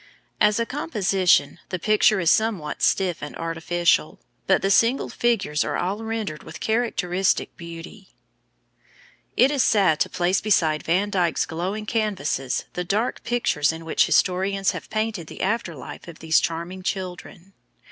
As a composition, the picture is somewhat stiff and artificial, but the single figures are all rendered with characteristic beauty. It is sad to place beside Van Dyck's glowing canvases, the dark pictures in which historians have painted the after life of these charming children.